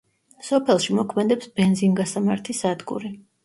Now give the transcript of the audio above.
სოფელში მოქმედებს ბენზინგასამართი სადგური.